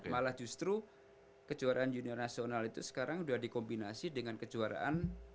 malah justru kejuaraan junior nasional itu sekarang sudah dikombinasi dengan kejuaraan